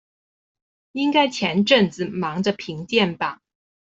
應該前陣子忙著評鑑吧